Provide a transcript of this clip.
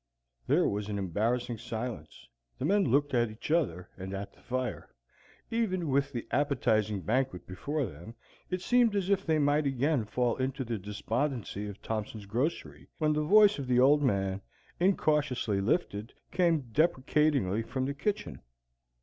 There was an embarrassing silence. The men looked at each other, and at the fire. Even with the appetizing banquet before them, it seemed as if they might again fall into the despondency of Thompson's grocery, when the voice of the Old Man, incautiously lifted, came deprecatingly from the kitchen.